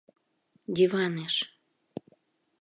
— Диванеш.